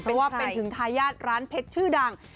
เพราะว่าเป็นถึงทายาทร้านเพชรชื่อดัง